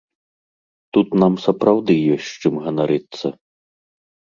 Тут нам сапраўды ёсць чым ганарыцца.